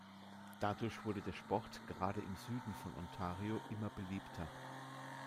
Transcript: Dadurch wurde der Sport, gerade im Süden von Ontario, immer beliebter.